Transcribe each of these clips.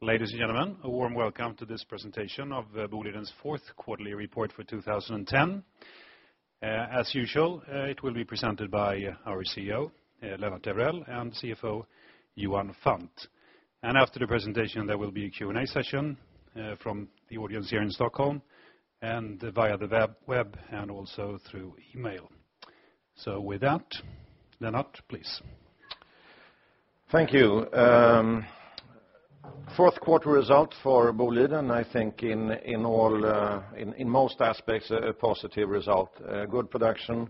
Ladies and gentlemen, a warm welcome to this presentation of Boliden's 4th Quarterly Report for 2010. As usual, it will be presented by our CEO, Leon Terrell and CFO, Johan Fandt. And after the presentation, there will be a Q and A session from the audience here in Stockholm and via the web and also through e mail. So with that, Lennart, please. Thank you. 4th quarter result for Boliden, I think in all in most aspects, a positive result. Good production,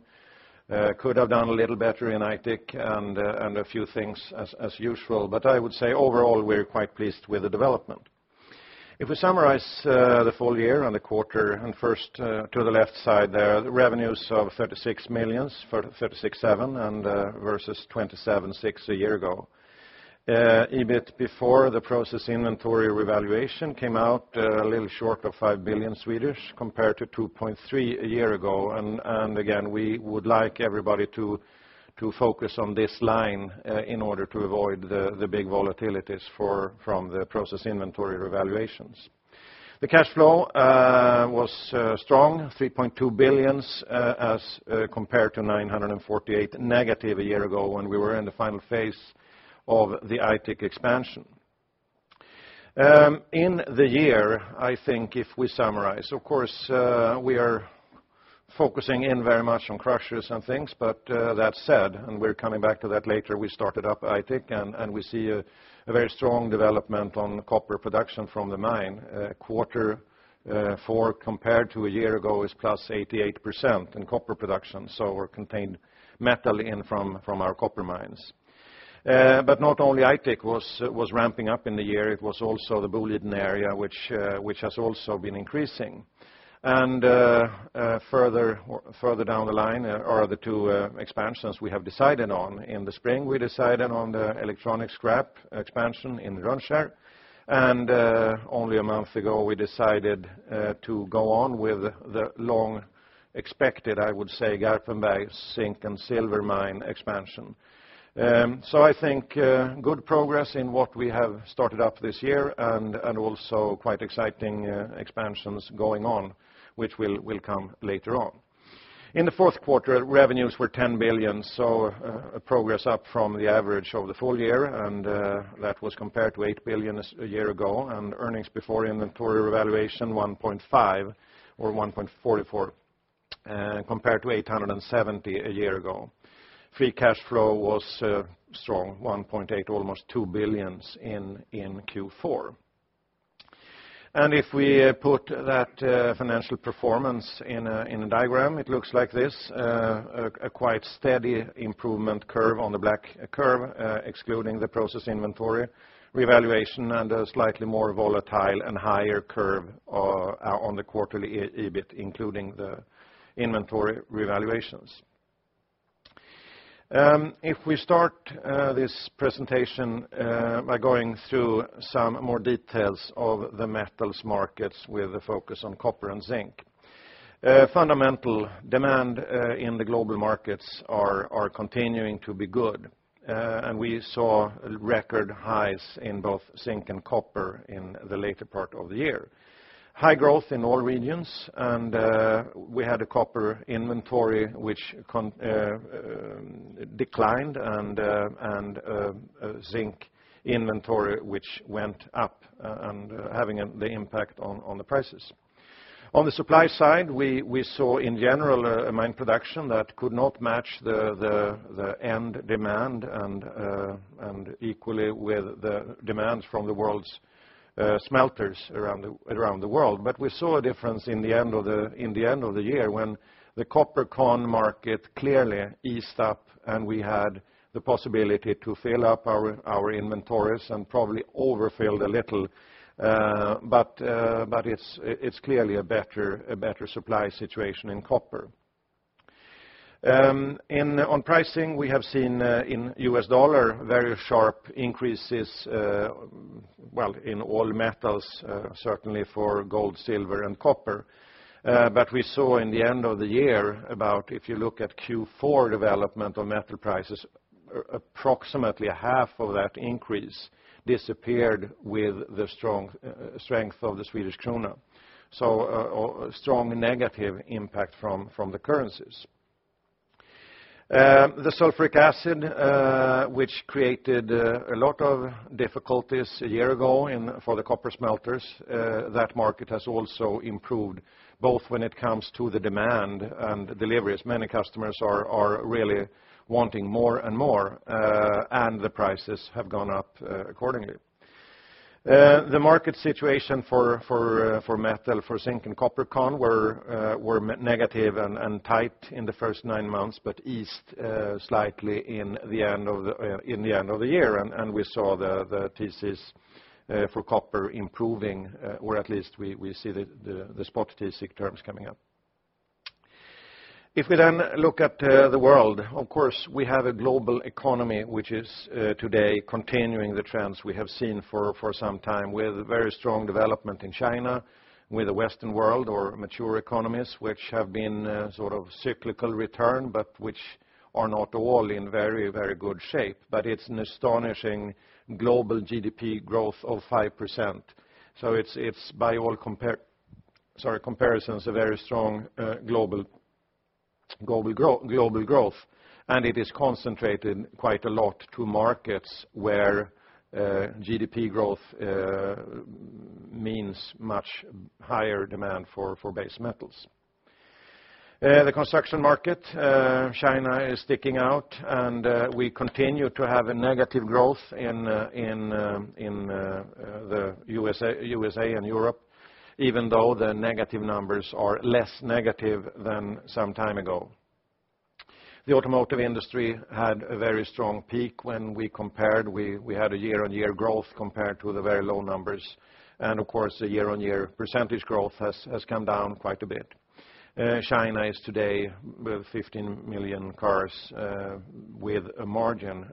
could have done a little better in Aitik and a few things as usual. But I would say overall, we are quite pleased with the development. If we summarize the full year and the quarter and first to the left side there, revenues of $36,000,000 versus 27,600,000 a year ago. EBIT before the process inventory revaluation came out a little short of 5,000,000,000 compared to 2,300,000,000 a year ago. And again, we would like everybody to focus on this line in order to avoid the big volatilities for from the process inventory revaluations. The cash flow was strong, 3,200,000,000 as compared to 948,000,000 negative a year ago when we were in the final phase of the Aitik expansion. In the year, I think if we summarize, of course, we are focusing in very much on crushers and things. But that said, and we're coming back to that later, we started up Aitik and we see a very strong development on copper production from the mine. Quarter 4 compared to a year ago is plus 88% in copper production. So we're contained metal in from our copper mines. But not only Aitik was ramping up in the year, it was also the Bulidin area, which has also been increasing. And further down the line are the 2 expansions we have decided on in the spring. We decided on the electronic scrap expansion in Rundsjern. And only a month ago, we decided to go on with the long expected, I would say, Garpenberg zinc and silver mine expansion. So I think good progress in what we have started up this year and also quite exciting expansions going on, which will come later on. In the Q4, revenues were 10,000,000,000, so a progress up from the average over the full year, and that was compared to 8,000,000,000 a year ago and earnings before inventory revaluation 1.5 billion or 1.44 billion compared to 8.70 billion a year ago. Free cash flow was strong, 1.8 billion, almost SEK2 1,000,000,000 in Q4. And if we put that financial performance in a diagram, it looks like this, a quite steady improvement curve on the black curve, excluding the process inventory revaluation and a slightly more volatile and higher curve on the quarterly EBIT, including the inventory revaluations. If we start this presentation by going through some more details of the metals markets with a focus on copper and zinc. Fundamental demand in the global markets are continuing to be good, and we saw record highs in both zinc and copper in the later part of the year. High growth in all regions, and we had a copper inventory, which declined and zinc inventory, which went up and having the impact on the prices. On the supply side, we saw in general smelters around the world. But we saw a difference in the end of the year when the copper corn market clearly eased up and we had the possibility to fill up our inventories and probably overfilled a little. But it's clearly a better supply situation in copper. In on pricing, we have seen in U. S. Dollar very sharp increases, well, in all metals, certainly for gold, silver and copper. But we saw in the end of the year about if you look at Q4 development on metal prices, approximately half of that increase disappeared with the strong strength of the Swedish krona. So strong negative impact from the currencies. The sulfuric acid, which created a lot of difficulties a year ago for the copper smelters, That market has also improved both when it comes to the demand and deliveries. Many customers are really wanting more and more, and the prices have gone up accordingly. The market situation for zinc and copper can were negative and tight in the 1st 9 months, but eased slightly in the end of the year. And we saw the thesis for copper improving or at least we see the spot thesis terms coming up. If we then look at the world, of course, we have a global economy, which is today continuing the trends we have seen for some time with very strong development in China with the Western world or mature economies, which have been sort of cyclical return, but which are not all in very, very good shape. But it's an astonishing global GDP growth of 5%. So it's by all comparisons a very strong global growth. And it is concentrated quite a lot to markets where GDP growth means much higher demand for base metals. The construction market, China is sticking out, and we continue to have a negative growth in the USA and Europe, even though the negative numbers are less negative than some time ago. The automotive industry had a very strong peak when we compared we had a year on year growth compared to the very low numbers. And of course, the year on year percentage growth has come down quite a bit. China is today with 15,000,000 cars with a margin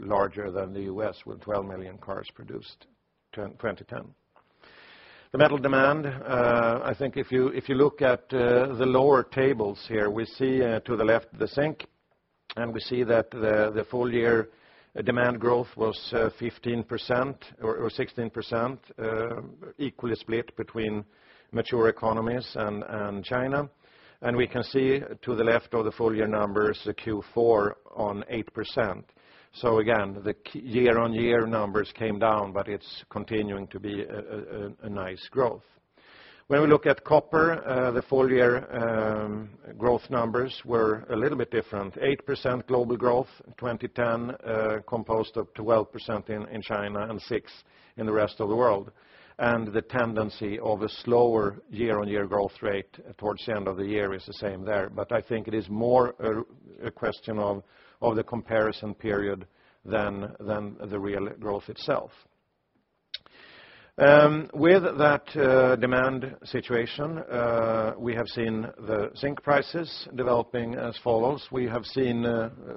larger than the U. S. With 12,000,000 cars produced in 2010. The metal demand, I think if you look at the lower tables here, we see to the left the zinc, and we see that the full year demand growth was 15% or 16%, equally split between mature economies and China. And we can see to the left of the full year numbers, Q4 on 8%. So again, the year on year numbers came down, but it's continuing to be a nice growth. When we look at copper, the full year growth numbers were a little bit different, 8% global growth, in 2010, composed of 12% in China and 6% in the rest of the world. And the tendency of a slower year on year growth rate towards the end of the year is the same there. But I think it is more a question of the comparison period than the real growth itself. With that demand situation, we have seen the zinc prices developing as follows. We have seen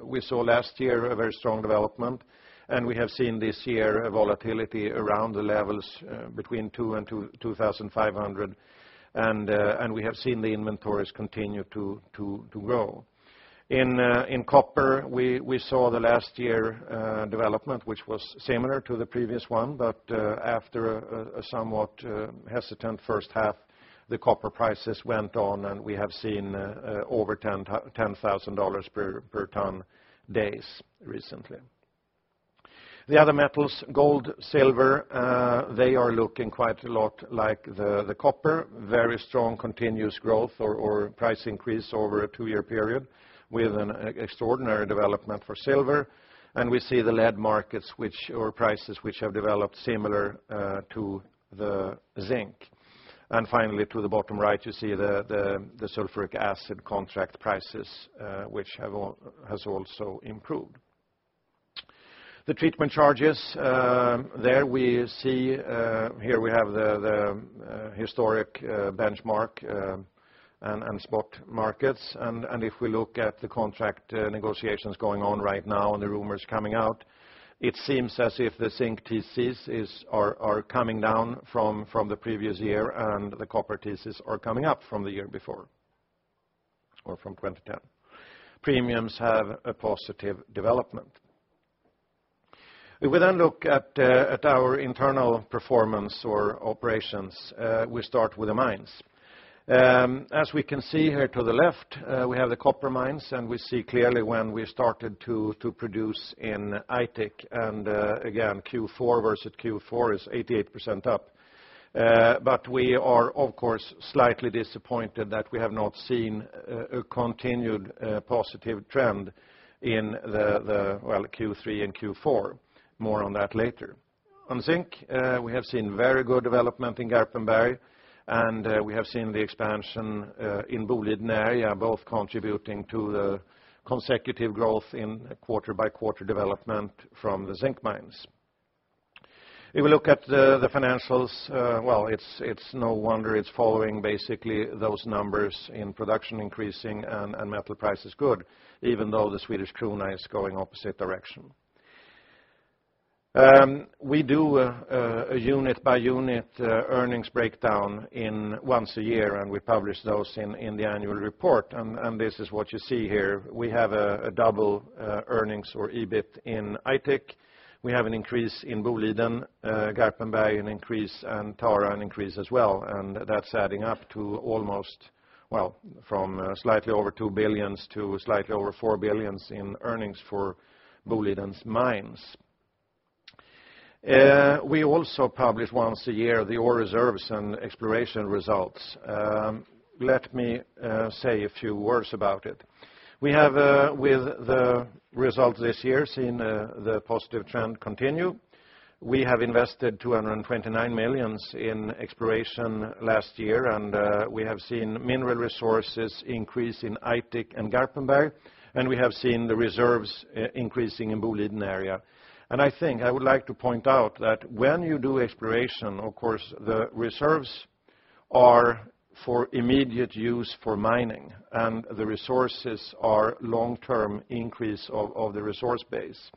we saw last year a very strong development, and we have seen this year volatility around the levels between 2,500 and we have seen the inventories continue to grow. In copper, we saw the last year development, which was similar to the previous one. But after a somewhat hesitant first half, the copper prices went on, and we have seen over $10,000 per tonne days recently. The other metals, gold, silver, they are looking quite a lot like the copper, very strong continuous growth or price increase over a 2 year period with an extraordinary development for silver. And we see the lead markets, which or prices which have developed similar to the zinc. And finally, to the bottom right, you see the sulfuric acid contract prices, which has also improved. The treatment charges, there we see here we have the historic benchmark and spot markets. And if we look at the contract negotiations going on right now and the rumors coming out, it seems as if the zinc TCs are coming down from the previous year and the copper thesis are coming up from the year before or from 2010. Premiums have a positive development. If we then look at our internal performance or operations, we start with the mines. As we can see here to the left, we have the copper mines, and we see clearly when we started to produce in Aitik. And again, Q4 versus Q4 is 88% up. But we are, of course, slightly disappointed that we have not seen a continued positive trend in the, well, Q3 and Q4, more on that later. On zinc, we have seen very good development in Garpenberg, and we have seen the expansion in Buliden area, both contributing to the consecutive growth in quarter by quarter development from the zinc mines. If we look at the financials, well, it's no wonder it's following basically those numbers in production increasing and metal price is good, even though the Swedish krona is going opposite direction. We do a unit by unit earnings breakdown in once a year, and we publish those in the annual report. And this is what you see here. We have a double earnings or EBIT in Aitik. We have an increase in Boliden, Garpenberg an increase and Tara an increase as well. And that's adding up to almost well, from slightly over 2,000,000,000 to slightly over 4,000,000,000 in earnings for Buliden's mines. We also publish once a year the ore reserves exploration results. Let me say a few words about it. We have with the results this year seen the positive trend continue. We have invested SEK229 1,000,000 in exploration last year, and we have seen mineral resources increase in Aitik and Garpenberg, and we have seen the reserves increasing in Boliden area. And I think I would like to point out that when you do exploration, of course, the reserves are for immediate use for mining and the resources are long term increase of the resource base.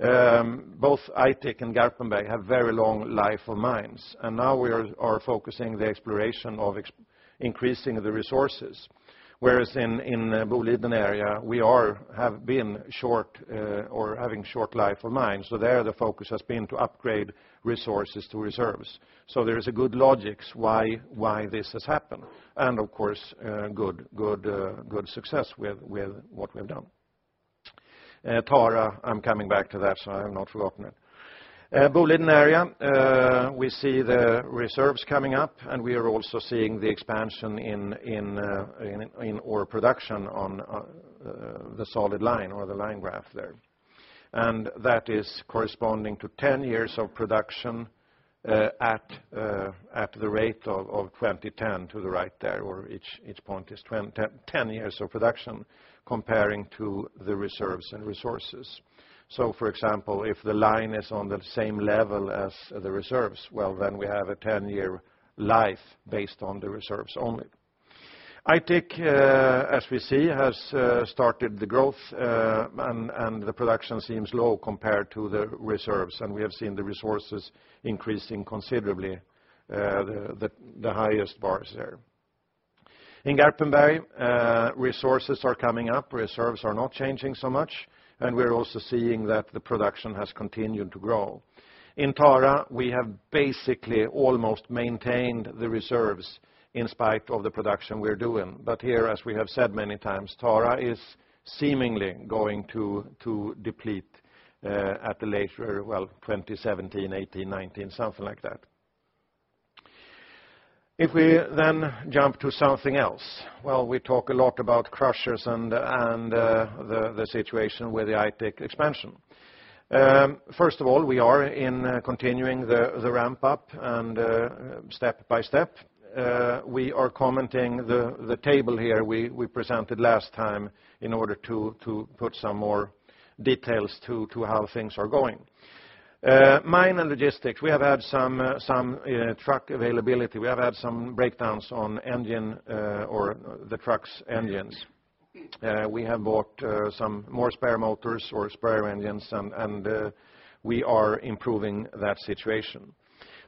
Both Aitik and Garpenberg have very long life of mines, and now we are focusing the exploration of increasing the resources. Whereas in Bouleydon area, we are have been short or having short life of mine. So there, the focus has been to upgrade resources to reserves. So there is a good logics why this has happened and of course, good success with what we've done. Tara, I'm coming back to that, so I have not forgotten it. Bulidin area, we see the reserves coming up, and we are also seeing the expansion in ore production on the solid line or the line graph there. And that is corresponding to 10 years of production at the rate of 2010 to the right there or point is 10 years of production comparing to the reserves and resources. So for example, if the line is on the same level as the reserves, well, then we have a 10 year life based on the reserves only. Aitik, as we see, has started the growth and the production seems low compared to the reserves. And we have seen the resources increasing considerably, the highest bars there. In Garpenberg, resources are coming up, reserves are not changing so much, and we're also seeing that the production has continued to grow. In Tara, we have basically almost maintained the reserves in spite of the production we're doing. But here, as we have said many times, Tara is seemingly going to deplete at the later well, 2017, 2018, 2019, something like that. If we then jump to something else, well, we talk a lot about crushers and the situation with the Aitik expansion. First of all, we are in continuing the ramp up and step by step. We are Mine and Logistics. We Mine and Logistics. We have had some truck availability. We have had some breakdowns on engine or the truck's engines. We have bought some more spare motors or spare engines, and we are improving that situation.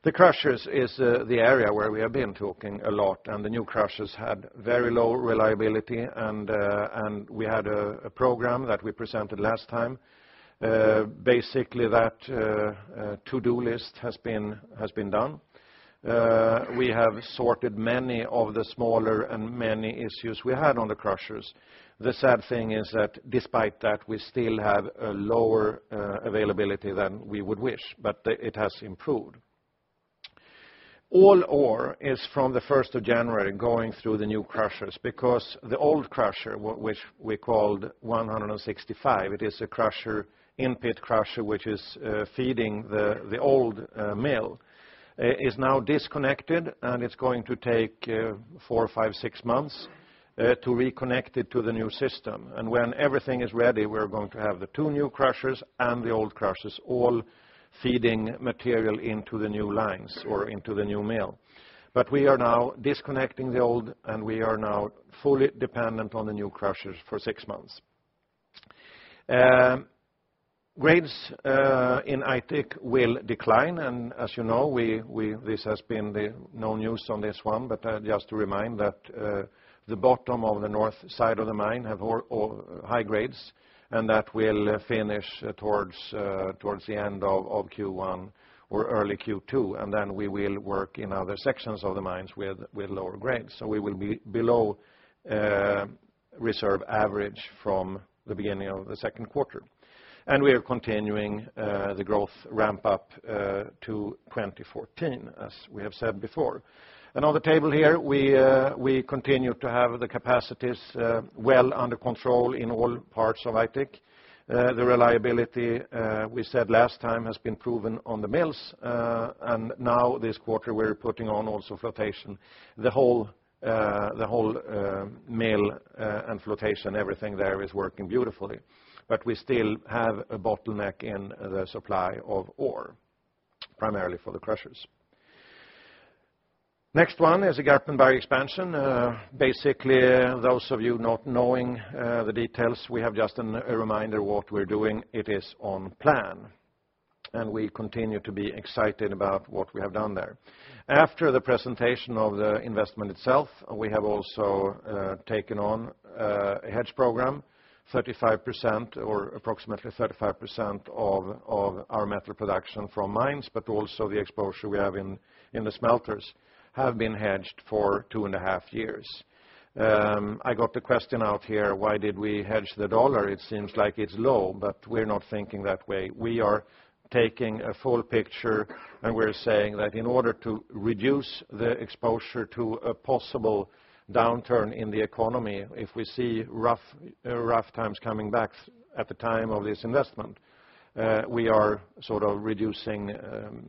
The crushers is the area where we have been talking a lot, and the new crushers had very low reliability. And we had a program that we presented last time. Basically, that to do list has been done. We have sorted many of the smaller and many issues we had on the crushers. The sad thing is that despite that, we still have a lower availability than we would wish, but it has improved. All ore is from the 1st January going through the new crushers because the old crusher, which we called 100 and 65,000,000, it is a crusher in pit crusher, which is feeding the old mill, is now disconnected, and it's going to take 4, 5, 6 months to reconnect it to the new system. And when everything is ready, we're going to have the 2 new crushers and the old crushers all feeding material into the new lines or into the new mill. But we are now disconnecting the old, and we are now fully dependent on the new crushers for 6 months. Grades in Aitik will decline. And as you know, we this has been the no news on this one. But just to remind that the bottom of the north side of the mine have high grades, and that will finish towards the end of Q1 or early Q2. And then we will work in other sections of the mines lower grades. So we will be below reserve average from the beginning of the second quarter. And we are continuing the growth ramp up to 2014, as we have said before. And on the table here, we continue to have the capacities well under control in all parts of Aitik. The reliability, we said last time, has been proven on the mills. And now this quarter, we're putting on also flotation, The whole mill and flotation, everything there is working beautifully. But we still have a bottleneck in the supply of ore, primarily for the crushers. Next one is the Garpenberg expansion. Basically, those of you not knowing the details, we have just a reminder what we're doing. It is on plan, and we continue to be excited about what we have done there. After the presentation of the investment itself, we have also taken on a hedge program, 35% or approximately 35% of our metal production from mines, but also the exposure we have in the smelters have been hedged for 2.5 years. I got the question out here, why did we hedge the dollar? It seems like it's low, but we're not thinking that way. We are taking a full picture, and we're saying that in order to reduce the exposure to a possible downturn in the economy, if we see rough times coming back at the time of this investment, we are sort of reducing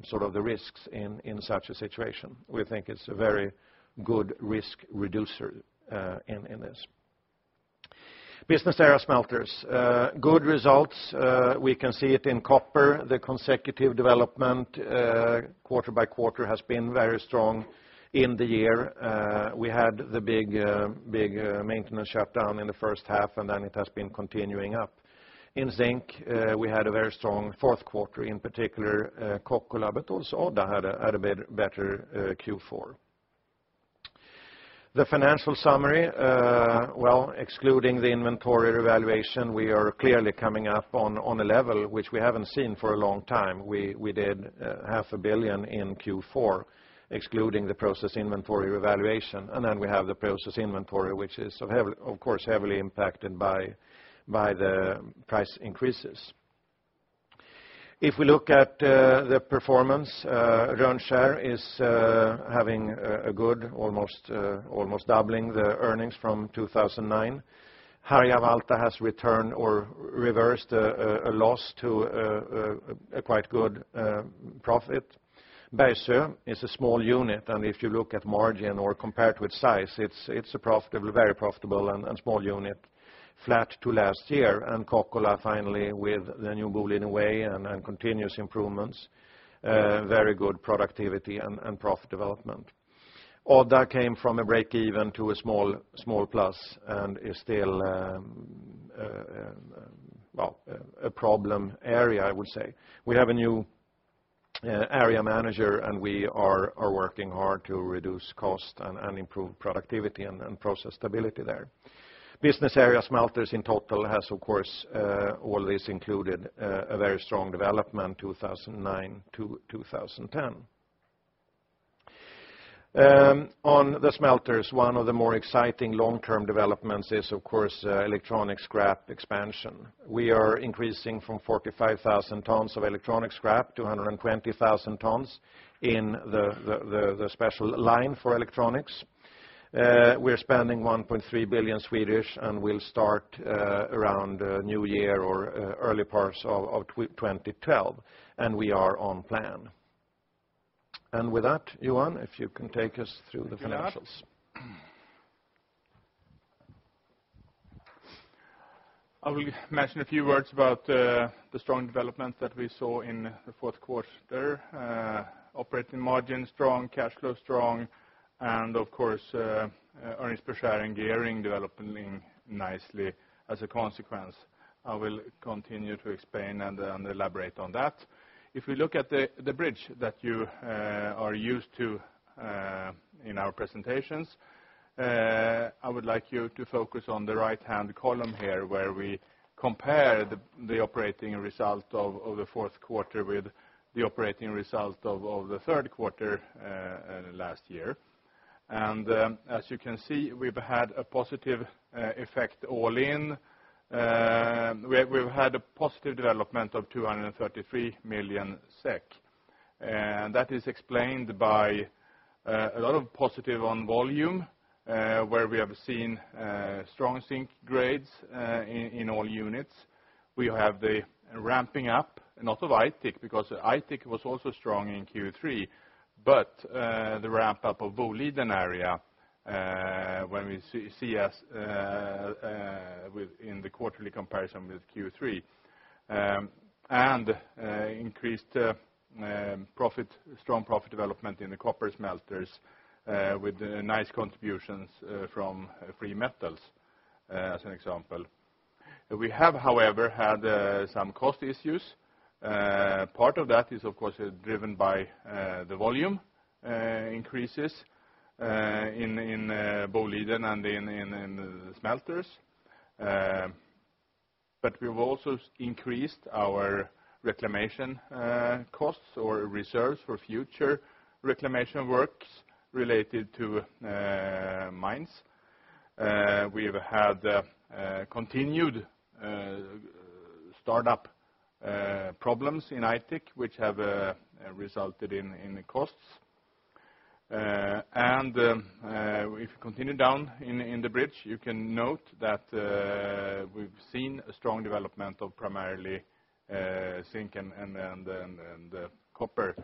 sort of the risks in such a situation. We think it's a very good risk reducer in this. Business Aerosmeltters, good results. We can see it in copper. The consecutive development quarter by quarter has been very strong in the year. We had the big maintenance shutdown in the first half, and then it has been continuing up. In zinc, we had a very strong 4th quarter, in particular, Kokolabatulsolda had a better Q4. The financial summary. Well, excluding the inventory revaluation, we are clearly coming up on a level which we haven't seen for a long time. We did 500,000,000 in Q4, excluding the process inventory revaluation. And then we have the process inventory, which is, of course, heavily impacted by the price increases. If we look at the performance, Rundsjerg is having a good, almost doubling the earnings from 2,009. Harjavalta has returned or reversed a loss to a quite good profit. Is a small unit. And if you look at margin or compare it with size, it's a profitable very profitable and small unit, flat to last year. And Kockola, finally, with the new Gulin Way and continuous improvements, very good productivity and profit development. ODDAR came from a breakeven to a small plus and is still a problem area, I would say. We have a new area manager, and we are working hard to reduce cost and improve productivity and process stability there. Business Area Smelters in total has, of course, all this included a very strong development, 2,009 to 2010. On the smelters, one of the more exciting long term developments is, of course, electronic scrap expansion. We are increasing from 45,000 tonnes of electronic scrap to 120,000 tonnes in the special line for electronics. We are spending 1,300,000,000 and will start around New Year or early parts of 2012. And we are on plan. And with that, Johan, if you can take us through the financials. I will mention a few words about the strong development that we saw in the 4th quarter. Operating margin strong, cash flow strong and of course, earnings per share and gearing developing nicely as a consequence. I will continue to explain and elaborate on that. If we look at the bridge that you are used to in our presentations, I would like you to focus on the right hand column here where we compare the operating result of the 4th quarter with the operating result of the Q3 last year. And as you can see, we've had a positive effect all in. We've had a positive development of 233,000,000 SEK. And that is explained by a lot of positive on volume, where we have seen strong zinc grades in all units. We have the ramping up, not of Aitik because Aitik was also strong in Q3, but the ramp up of Vouleden area, when we see us within the quarterly comparison with Q3 and increased profit strong profit development in the copper smelters with nice contributions from free metals, as an example. We have, however, had some cost issues. Part of that is, of course, driven by the volume increases in Boliden and in the smelters. But we've also increased our reclamation costs or reserves for future reclamation works related to mines. We have had continued start up problems in Aitik, which have resulted in the costs. And if we continue down in the bridge, you can note that we've seen a strong development of primarily zinc and copper.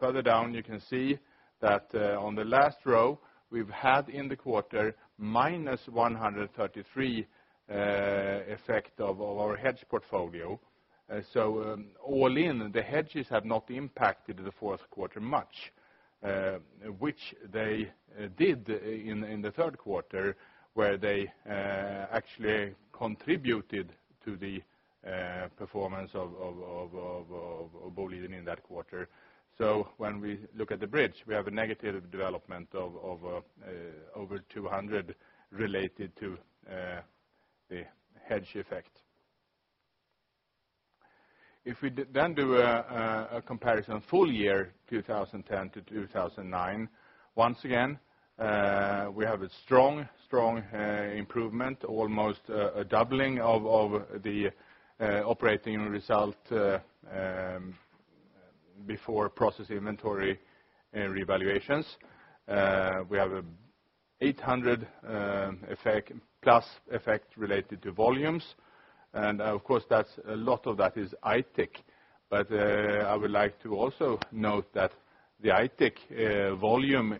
Further down, you can see that on the last row, we've had in the quarter minus 133,000,000 effect of our hedge portfolio. So all in, the hedges have not impacted the Q4 much, which they did in the 3rd quarter where they actually contributed to the performance of Bolivin in that quarter. So when we look at the bridge, we have a negative development of over 200,000,000 related to the hedge effect. If we then do a comparison full year 2010 to 2,009, Once again, we have a strong, strong improvement, almost a doubling of the operating result before process inventory and revaluations. We have a 800,000,000 effect plus effect related to volumes. And of course, that's a lot of that is Aitik. But I would like to also note that the Aitik volume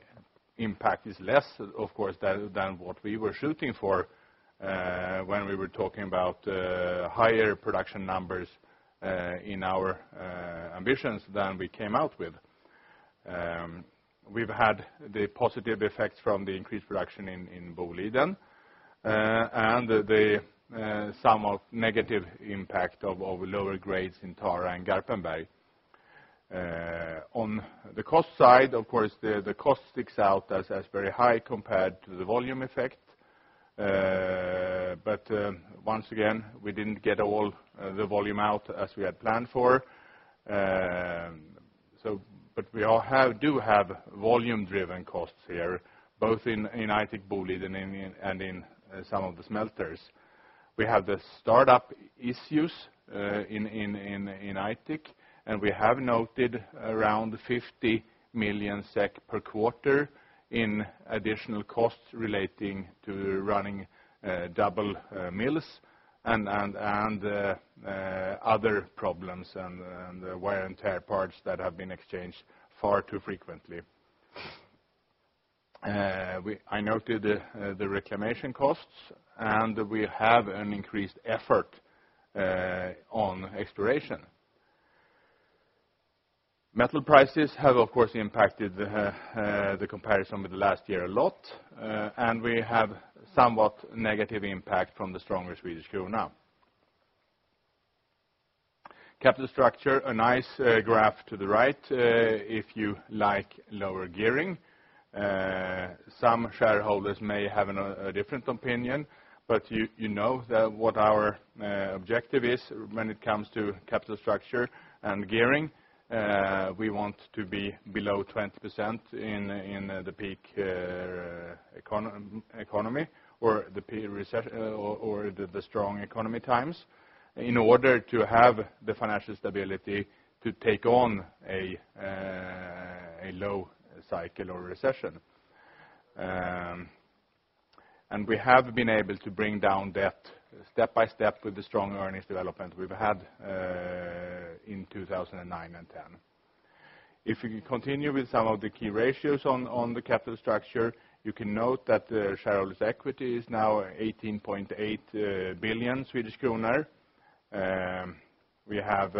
impact is less, of course, than what we were shooting for when we were talking about higher production numbers in our ambitions than we came out with. We've had the positive effects from the increased production in Boliden and the somewhat negative impact of our lower grades in Tara and Garpenberg. On the cost side, of course, the cost sticks out as very high compared to the volume effect. But once again, we didn't get all the volume out as we had planned for. So but we all have do have volume driven costs here, both in Aitik Bolid and in some of the smelters. We have the start up issues in Aitik, and we have noted around 50,000,000 SEK per quarter in additional costs relating to running double mills and other problems and the wire and tear parts that have been exchanged far too frequently. I noted the reclamation costs, and we have an increased effort on exploration. Metal prices have, of course, impacted the comparison with last year a lot, and we have somewhat negative impact from the stronger Swedish krona. Capital structure, a nice graph to the right, if you like lower gearing. Some shareholders may have a different opinion, but you know that what our objective is when it comes to capital structure and gearing. We want to be below 20 percent in the peak economy or the strong economy times in order to have the financial stability to take on a low cycle or recession. And we have been able to bring down debt step by step with the strong earnings development we've had in 2,009 2010. If you continue with some of the key ratios on the capital structure, you can note that shareholders' equity is now 18,800,000,000 Swedish kronor. We have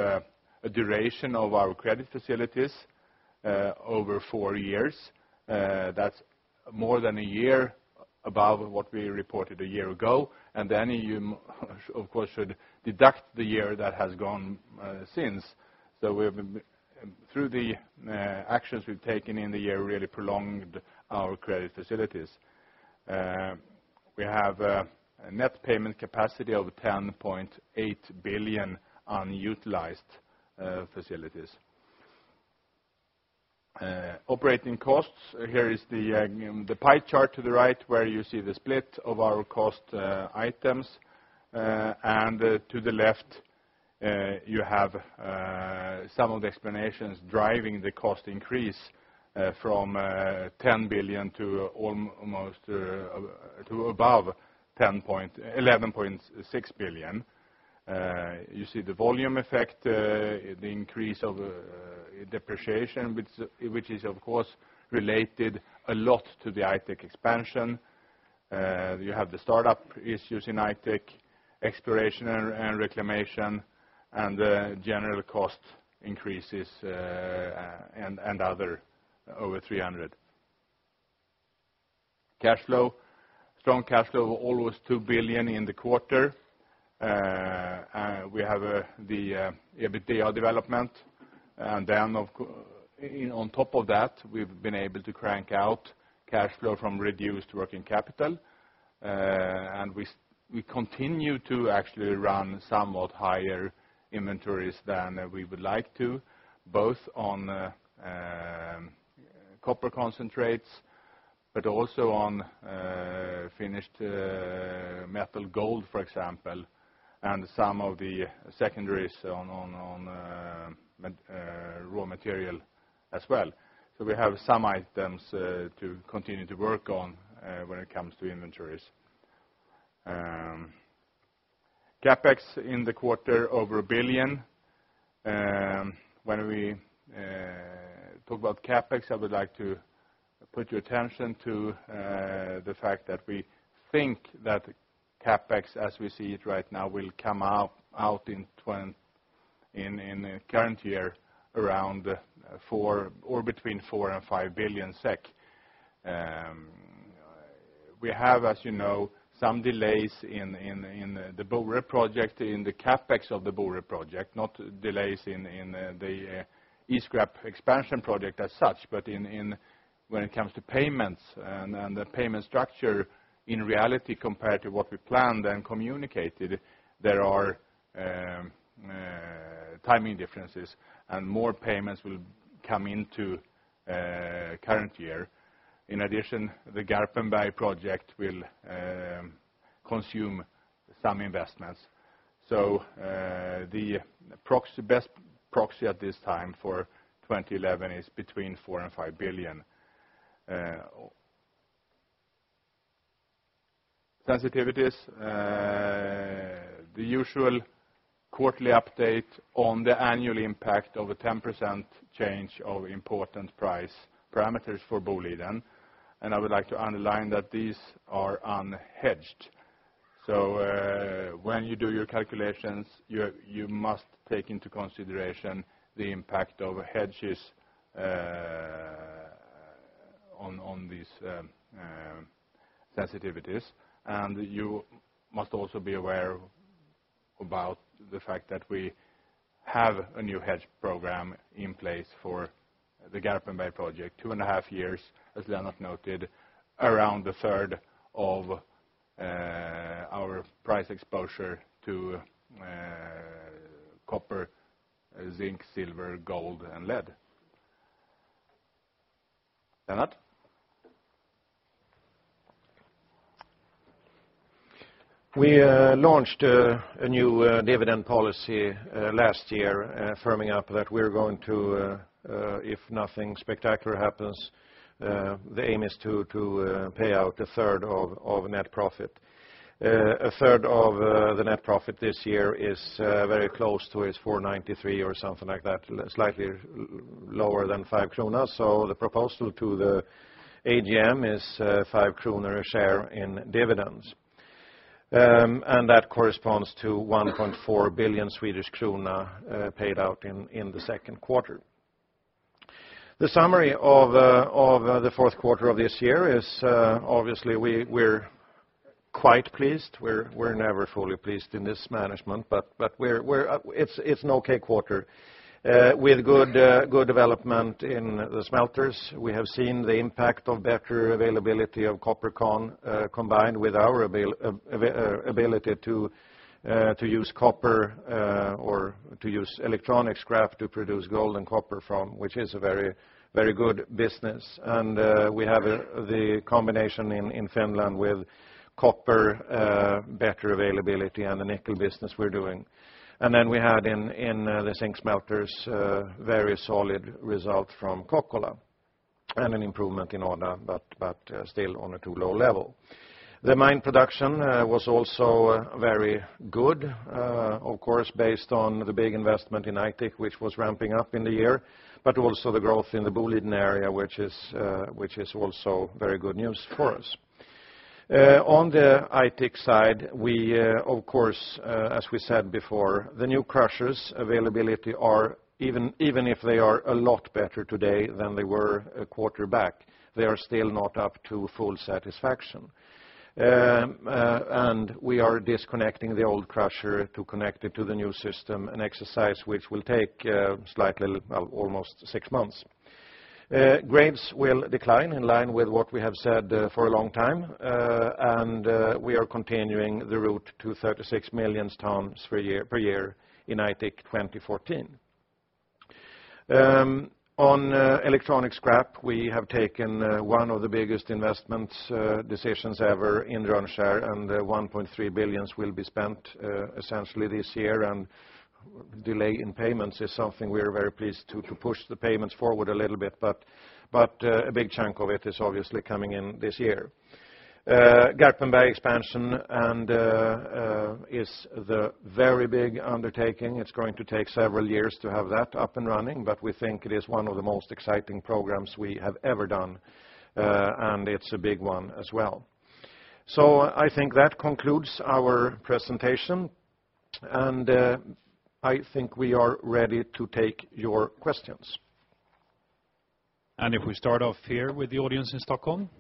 a duration of our credit facilities over 4 years. That's more than a year above what we reported a year ago. And then you, of course, should deduct the year that has gone since. So we have been through the actions we've taken in the year really prolonged our credit facilities. We have a net payment capacity of 10,800,000,000 unutilized facilities. Operating costs. Here is the pie chart to the right where you see the split of our cost items. And to the left, you have some of the explanations driving the cost increase from 10,000,000,000 to almost to above 11,600,000,000. You see the volume effect, the increase of depreciation, which is, of course, related a lot to the Aitik expansion. You have the start up issues in Aitik, exploration and reclamation and general cost increases and other over 300,000,000 Cash flow. Strong cash flow, always 2,000,000,000 in the quarter. We have the EBITDA development. And then on top of that, we've been able to crank out cash flow from reduced working capital. And we continue to actually run somewhat higher inventories than we would like to, both on copper concentrates, but also on finished metal gold, for example, and some of the secondaries on raw material as well. So we have some items to continue to work on when it comes to inventories. CapEx in the quarter over 1,000,000,000. When we talk about CapEx, I would like to put your attention to the fact that we think that CapEx, as we see it right now, will come out in current year around 4 or between 4,000,000,000 and 5,000,000,000 SEK. We have, as you know, some delays in the Bora project, in the CapEx of the Bora project, not delays in the Iskrapp expansion project as such. But in when it comes to payments and the payment structure, in reality compared to what we planned and communicated, there are timing differences and more payments will come into current year. In addition, the Garpenberg project will consume some investments. So the best proxy at this time for 2011 is between 4,000,000,000 and 5,000,000,000. Sensitivities, the usual quarterly update on the annual impact of a 10% change of important price parameters for Boliden. And I would like to underline that these are unhedged. So when you do your calculations, you must take into consideration the impact of hedges on these sensitivities. And you must also be aware about the fact that we have a new hedge program in place for the Garpenberg project, 2.5 years, as Lennart noted, around onethree of our price exposure to copper, zinc, silver, gold and lead. Thanat? Last year firming up that we're going to, if nothing spectacular happens, the aim is to pay out onethree of net profit. Onethree of the net profit this year is very close to its 4.93 or something like that, slightly lower than 5 kronor. So the proposal to the AGM is 5 kronor a share in dividends. And that corresponds to 1,400,000,000 Swedish krona paid out in the second quarter. The summary of the Q4 of this year is, obviously, we're quite pleased. We're never fully pleased in this management, but we're it's an okay quarter. We had good development in the smelters. We have seen the impact of better availability of copper can combined with our ability to use copper or to use electronic scrap to produce gold and copper from, which is a very good business. And we have the combination in Finland with copper, better availability and the nickel business we're doing. And then we had in the zinc smelters very solid results from Kokkola and an improvement in Oda, but still on a too low level. The mine production was also very good, of course, based on the big investment in Aitik, which was ramping up in the year, but also the growth in the Buliden area, which is also very good news for us. On the Aitik side, we of course, as we said before, the new crushers availability are even if they are a lot better today than they were a quarter back, they are still not up to full satisfaction. And we are disconnecting the old crusher to connect it to the new system and exercise, which will take slightly almost 6 months. Grains will decline in line with what we have said for a long time, and we are continuing the route to 36,000,000 tonnes per year in Aitik 2014. On electronic scrap, we have taken one of the biggest investment decisions ever in Droneshare and 1,300,000,000 will be spent essentially this year. And delay in payments is something we are very pleased to push the payments forward a little bit, but a big chunk of it is obviously coming in this year. Garpenberg expansion and is the very big undertaking. It's going to take several years to have that up and running, but we think it is one of the most exciting programs we have ever done, and it's a big one as well. So I think that concludes our presentation, and I think we are ready to take your questions. And if we start off here with the audience in Stockholm,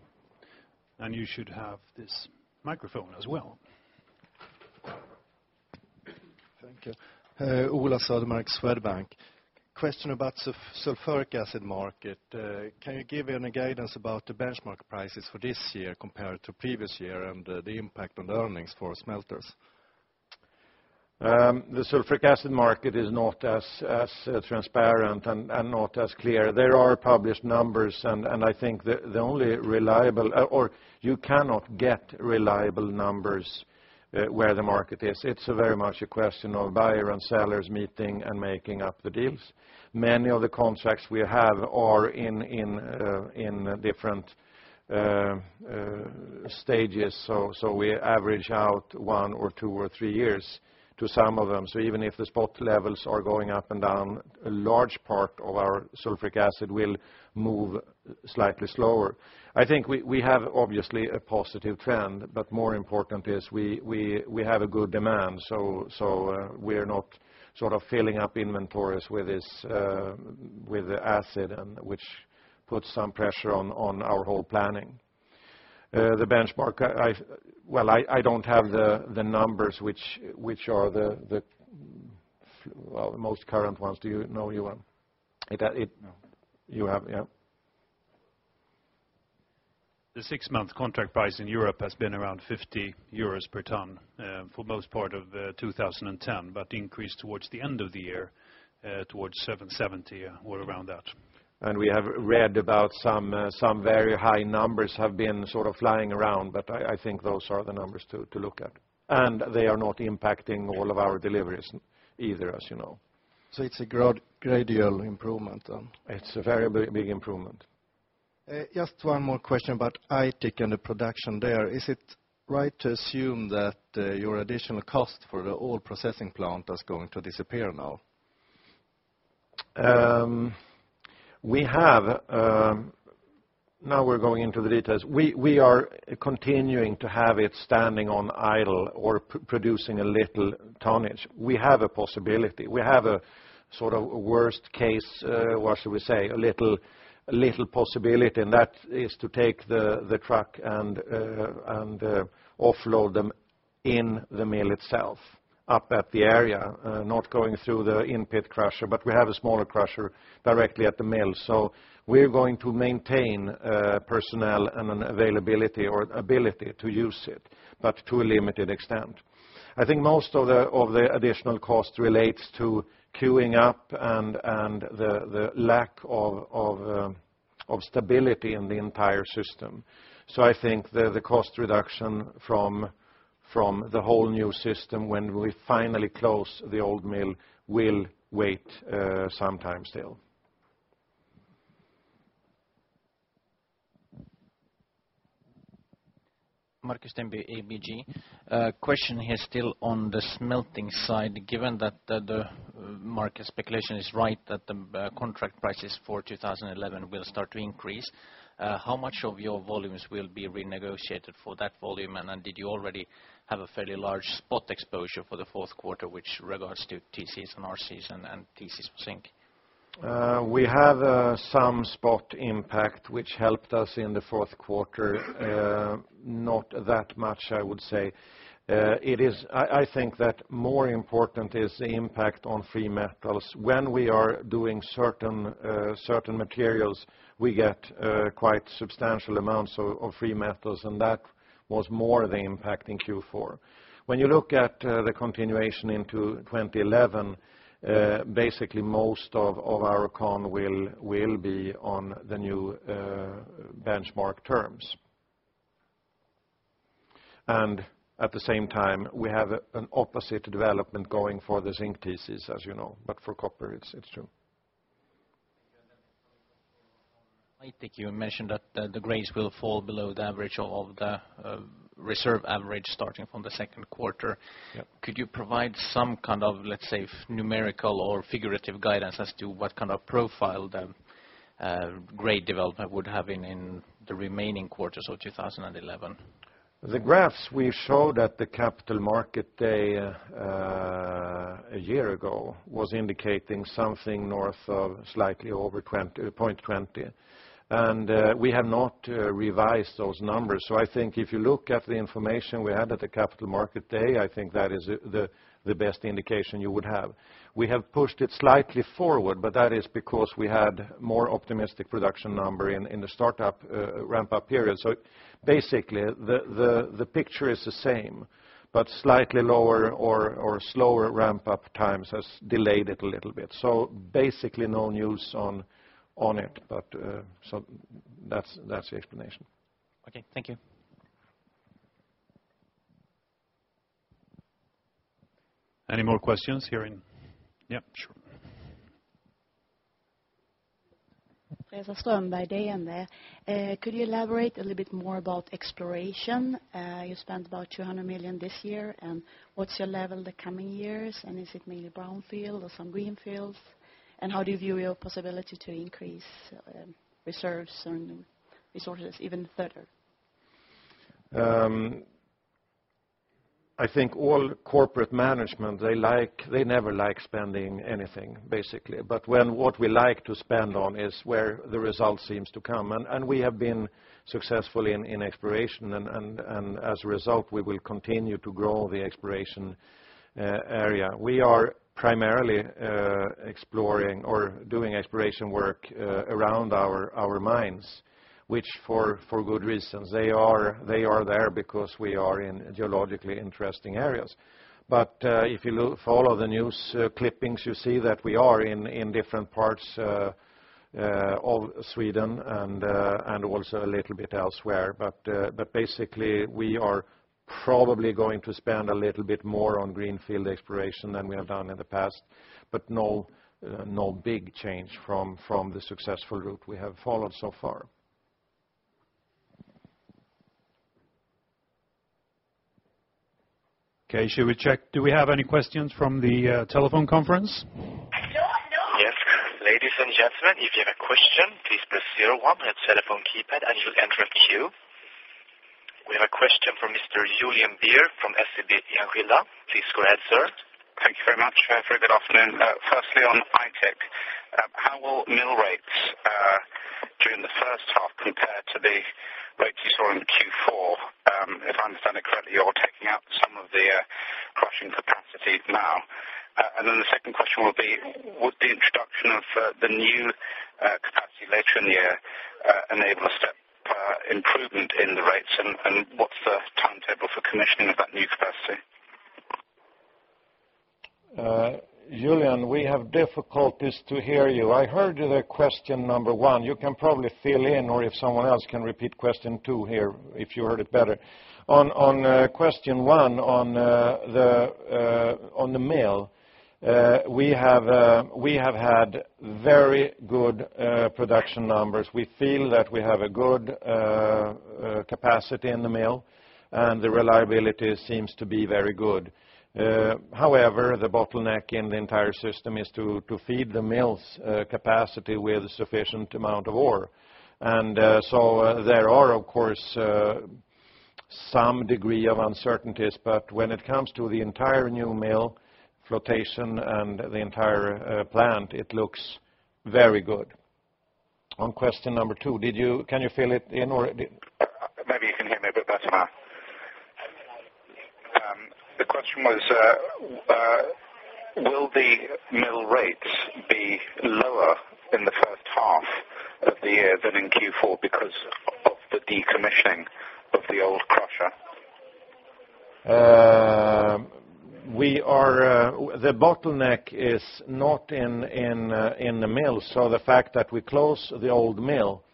and you should have this microphone as well. Thank you. Ulla Sodermaier, Swedbank. Question about sulphuric acid market. Can you give any guidance about the benchmark prices for this year compared to previous year and the impact on earnings for Smelters? The sulfuric acid market is not as transparent and not as clear. There are published numbers, and I think the only reliable or you cannot get reliable numbers where the market is. It's very much a question of buyer and sellers meeting and making up the deals. Many of the contracts we have are in different stages. So we average out 1 or 2 or 3 years to some of them. So even if the spot levels are going up and down, a large part of our sulfuric acid will move slightly slower. I think we have obviously a positive trend, but more important is we have a good demand. So we are not sort of filling up inventories with this with the acid and which puts some pressure on our whole planning. The benchmark, well, I don't have the numbers which are the most current ones. Do you know, Johan? No. You have, yes. The 6 month contract price in Europe has been around €50 per tonne for most part of 2010, but increased towards the end of the year towards 770 or around that. And we have read about some very high numbers have been sort of flying around, but I think those are the numbers to look at. And they are not impacting all of our deliveries either, as you know. So it's a gradual improvement then? It's a very big improvement. Just one more question about Aitik and the production there. Is it right to assume that your additional cost for the oil processing plant is going to disappear now? We have now we're going into the details. We are continuing to have it standing on idle or producing a little tonnage. We have a possibility. We have a sort of worst case, what should we say, a little possibility, and that is to take the truck and offload them in the mill itself up at the area, not going through the in pit crusher, but we have a smaller crusher directly at the mill. So we're going to maintain personnel and an availability or ability to use it, but to a limited extent. I think most of the additional cost relates to queuing up and the lack of stability in the entire system. So I think the cost reduction from the whole new system when we finally close the old mill will wait sometime still. Markus Dembe, ABG. Question here still on the smelting side. Given that the market speculation is right that the contract prices for 2011 will start to increase, how much of your volumes will be renegotiated for that volume? And did you already have a fairly large spot exposure for the Q4, which regards to TCs and RCs and TCs for zinc? We have some spot impact, which helped us in the Q4, not that much, I would say. It is I think that more important is the impact on free metals. When we are doing certain materials, we get quite substantial amounts of free metals, and that was more of the impact in Q4. When you look at the continuation into 2011, basically most of Arokon will be on the new benchmark terms. And at the same time, we have an opposite development going for the zinc thesis, as you know. But for copper, it's true. I think you mentioned that the grades will fall below the average of the reserve average starting from the Q2. Could you provide some kind of, let's say, numerical or figurative guidance as to what kind of profile the grade development would have in the remaining quarters of 2011? The graphs we showed at the Capital Market Day a year ago was indicating something north of slightly over 0.20. And we have not revised those numbers. So I think if you look at the information we had at the Capital Market Day, I think that is the best indication you would have. We have pushed it slightly forward, but that is because we had more optimistic production number in the start up ramp up period. So basically, the picture is the same, but slightly lower or slower ramp up times has delayed it a little bit. So basically no news on it, but so that's the explanation. Okay. Thank you. Any more questions here in yes, sure. Reza Storn by Dejan. Could you elaborate a little bit more about exploration? You spent about 200,000,000 this year. And what's your level in the coming years? And is it mainly brownfield or some greenfields? And how do you view your possibility to increase reserves and resources even further? I think all corporate management, they like they never like spending anything basically. But when what we like to spend on is where the result seems to come. And we have been successful in exploration. And as a result, we will continue to grow the exploration area. We are primarily exploring or doing exploration work around our mines, which for good reasons. They are there because we are in geologically interesting areas. But if you follow the news clippings, you see that we are in different parts of Sweden and also a little bit elsewhere. But basically, we are probably going to spend a little bit more on greenfield exploration than we have done in the past, but no big change from the successful route we have followed so far. Okay. Should we check do we have any questions from the telephone conference? We have a question from Mr. Julian Beer from SVB Yahwehla. Please go ahead, sir. Thank you very much. Very good afternoon. Firstly, on Aitik, how will mill rates during the first half compare to the rates you saw in Q4? If I understand it correctly, you're taking out some of the crushing capacities now. And then the second question will be, would the introduction of the new capacity later in the year enable a step improvement in the rates? And what's the timetable for commissioning of that new capacity? Julian, we have difficulties to hear you. I heard you the question number 1. You can probably fill in or if someone else can repeat question 2 here, if you heard it better. On question 1, on the mill, We have had very good production numbers. We feel that we have a good capacity in the mill and the reliability seems to be very good. However, the bottleneck in the entire system is to feed the mill's capacity with sufficient amount of ore. And so there are, of course, some degree of uncertainties. But when it comes to the entire new mill flotation and the entire plant, it looks very good. On question number 2, did you can you fill it in or Maybe you can hear me a bit better, The question was, will the mill rates be lower in the first half of the year than in Q4 because of the decommissioning of the old crusher? We are the bottleneck is not in the mill. So the fact that we close the old mill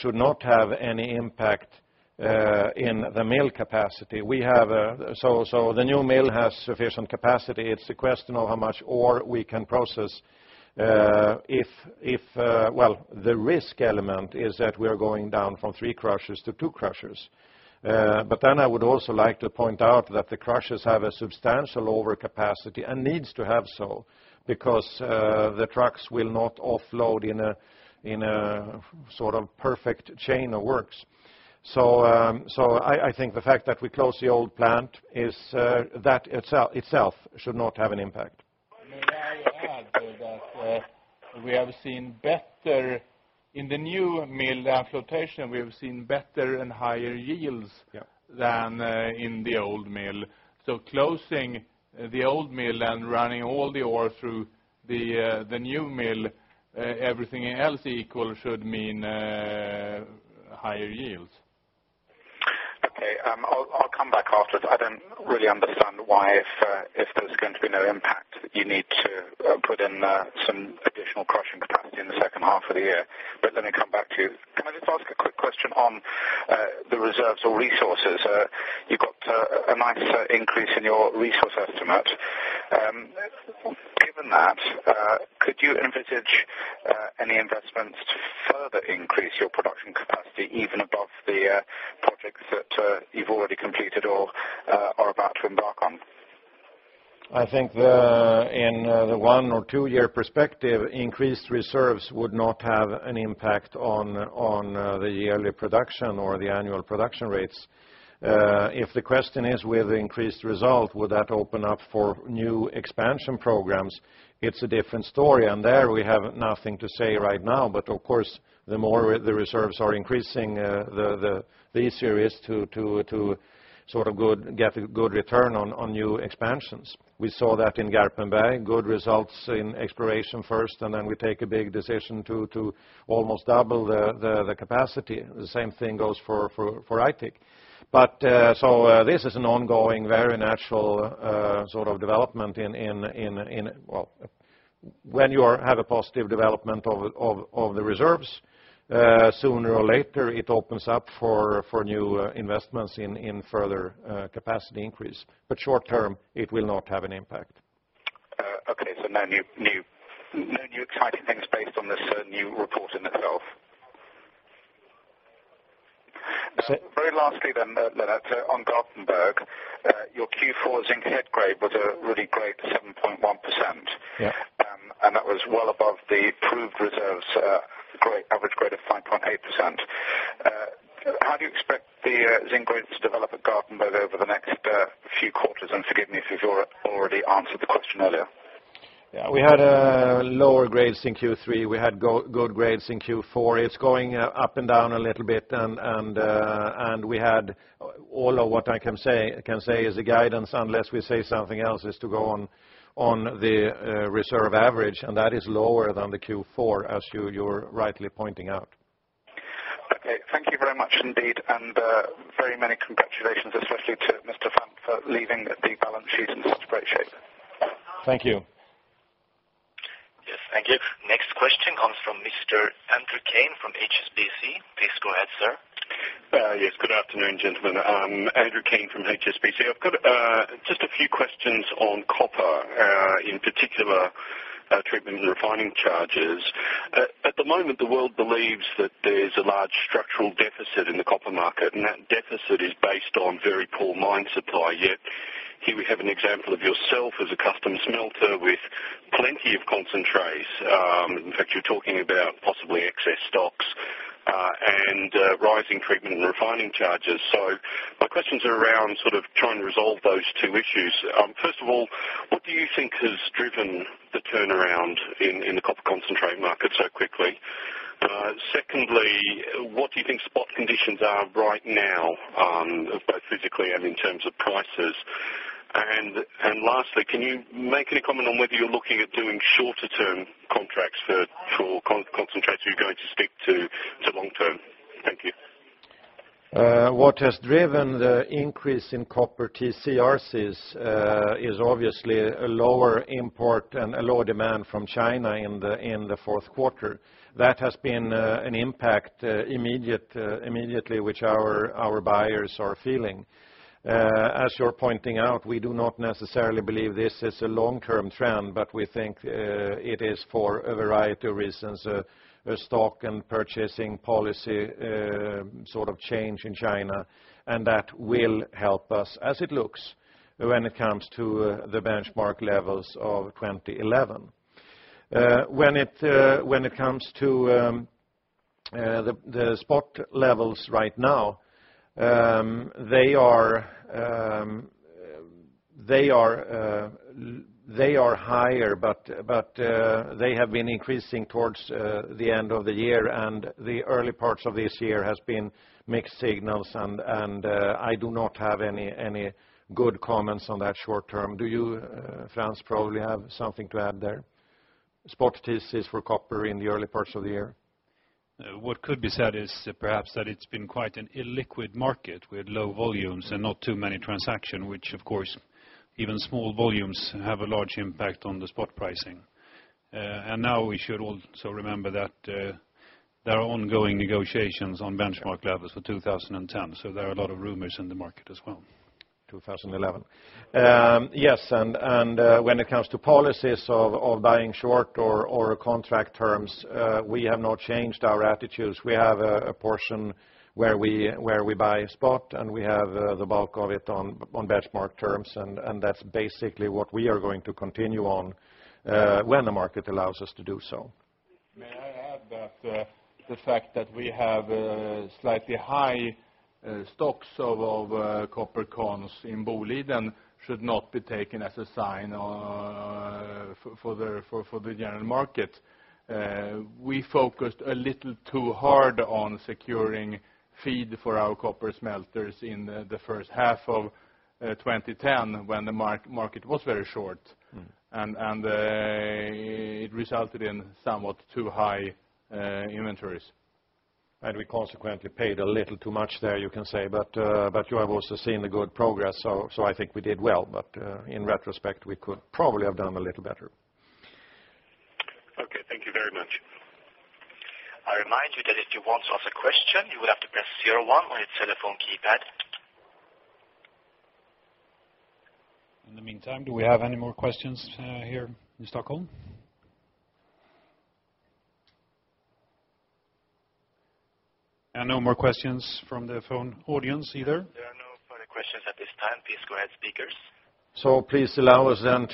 should not have any impact in the mill capacity. We have so the new mill has sufficient capacity. It's a question of how much ore we can process if well, the risk element is that we are going down from 3 crushers to 2 crushers. But then I would also like to point out that the crushers have a substantial overcapacity and needs to have so because the trucks will not offload in a sort of perfect chain of works. So I think the fact that we closed the old plant is that itself should not have an impact. I may add to that. We have seen better in the new mill and flotation, we have seen better and higher yields than in the old mill. So closing the old mill and running all the ore through the new mill, everything else equal, should mean higher yields. Okay. I'll come back after it. I don't really understand why, if there's going to be no impact, you need to put in some additional crushing capacity in the second half of the year. But let me come back to you. Can I just ask a quick question on the reserves or resources? You've got a nice increase in your resource estimate. Given that, could you envisage any investments to further increase your production capacity even above the projects that you've already completed or are about to embark on? I think in the 1 or 2 year perspective, increased reserves would not have an impact on the yearly production or the annual production rates. If the question is with increased result, would that open up for new expansion programs, it's a different story. And there, we have nothing to say right now. But of course, the more the reserves are increasing, the easier it is to sort of good get a good return on new expansions. We saw that in Garpenberg, good results in exploration first, and then we take a big decision to almost double the capacity. The same thing goes for Aitik. But so this is an ongoing, very natural sort of development in when you have a positive development of the reserves, sooner or later, it opens up for new investments in further capacity increase. But short term, it will not have an impact. Okay. So no new exciting things based on this new reporting itself? Very lastly then, Leonard, on Gothenburg. Your Q4 zinc head grade was a really great 7.1%. And that was well above the proved reserves average grade of 5.8%. How do you expect the zinc grades to develop at Gardenwood over the next few quarters? And forgive me if you've already answered the question earlier. Yes. We had lower grades in Q3. We had good grades in Q4. It's going up and down a little bit. And we had all of what I can say is the guidance unless we say something else is to go on the reserve average, and that is lower than the Q4, Q4 as you're rightly pointing out. Funt for leaving the balance sheet in such great shape. Thank you. Yes. Thank you. Next question comes from Mr. Andrew Kane from HSBC. Please go ahead, sir. Yes. Good afternoon, gentlemen. Andrew Kane from HSBC. I've got just a few questions on copper, in particular, treatment and refining charges. At the moment, the world believes that there's a large structural deficit in the copper market, and that deficit is based on very poor mine supply. Yet here we have an example of yourself as a custom smelter with plenty of concentrates. In fact, you're talking about possibly excess stocks and rising treatment and refining charges. So my questions are around sort of trying to resolve those two issues. First of all, what do you think has driven the turnaround in the copper concentrate market so quickly? Secondly, what do you think spot conditions are right now both physically and in terms of prices? And lastly, can you make any comment on whether you're looking at doing shorter term contracts for concentrates you're going to stick to long term? Thank you. What has driven the increase in copper TCRs is obviously a lower import and a lower demand from China in the Q4. That has been an impact immediately, which our buyers are feeling. As you're pointing out, we do not necessarily believe this is a long term trend, but we think it is for a variety of reasons, stock and purchasing policy sort of change in China. And that will help us as it looks when it comes to the benchmark levels of 2011. When it comes to the spot levels right now, they are higher, but they have been increasing towards the end of the year, and the early parts of this year has been mixed signals. And I do not have any good comments on that short term. Do you, Frans, probably have something to add there, spottices for copper in the early parts of the year? What could be said is perhaps that it's been quite an illiquid market with low volumes and not too many transaction, which, of course, even small volumes have a large impact on the spot pricing. And now we should also remember that there are ongoing negotiations on benchmark levels for 2010. So there are a lot of rumors in the market as well. 2011. Yes. And when it comes to policies of buying short or contract terms, we have not changed our attitudes. We have a portion where we buy spot, and we have the bulk of it on benchmark terms. And that's basically what we are going to continue on when the market allows us to do so. May I add that the fact that we have slightly high stocks of copper cons in Boliv and should not be taken as a sign for the general market. We focused a little too hard on securing feed for our copper smelters in the first half of 2010 when the market was very short, and it resulted in somewhat too high inventories. And we consequently paid a little too much there, you can say, but you have also seen the good progress. So I think we did well. But in retrospect, we could probably have done a little better. In the meantime, do we have any more questions here in Stockholm? No more questions from the phone audience either. There are no further questions at this time. Please go ahead, speakers. So please allow us then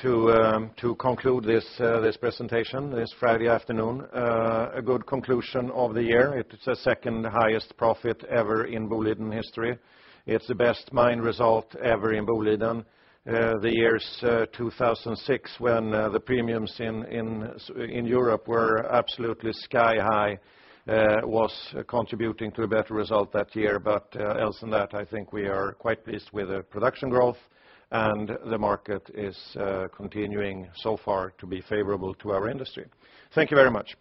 to conclude this presentation this Friday afternoon, A good conclusion of the year. It's the 2nd highest profit ever in Boliden history. It's the best mine result ever in Boliden, The years 2006 when the premiums in Europe were absolutely sky high was contributing to a better result that year. But else than that, I think we are quite pleased with the production growth, and the market is continuing so far to be favorable to our industry. Thank you very much.